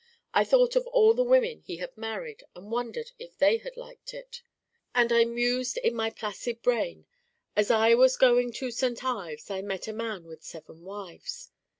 I thought of all the women he had married and wondered if they had liked it. And I mused in my placid brain, 'As I was going to St. Ives I met a man with seven wives.